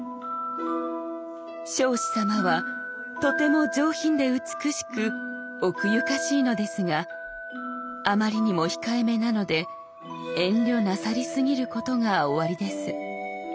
「彰子様はとても上品で美しく奥ゆかしいのですがあまりにも控えめなので遠慮なさりすぎることがおありです」。